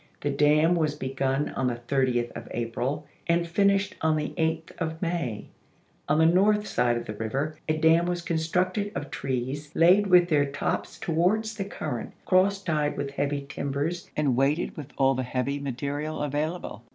The dam was begun on the 30th of April and finished on ise*. the 8th of May. On the north side of the river a dam was constructed of trees laid with their tops towards the current, cross tied with heavy timbers and weighted with all the heavy material available.